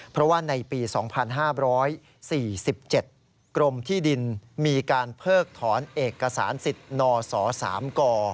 เพราะว่าในปี๒๕๔๗กรมที่ดินมีการเพิกถอนเอกสารสิทธิ์นศ๓ก